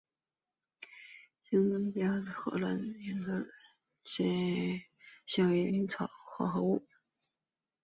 香荚兰的香味源自其种荚里名为香草精的化合物。